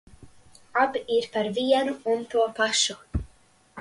Abi ir par vienu un to pašu.